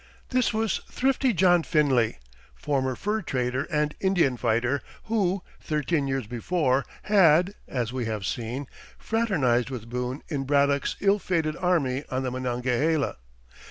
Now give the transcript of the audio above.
This was thrifty John Finley, former fur trader and Indian fighter, who, thirteen years before, had, as we have seen, fraternized with Boone in Braddock's ill fated army on the Monongahela.